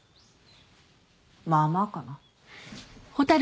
まあまあかな。